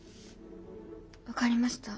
分かりました。